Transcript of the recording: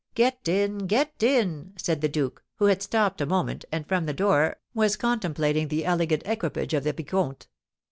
"Get in! Get in!" said the duke, who had stopped a moment, and, from the door, was contemplating the elegant equipage of the vicomte.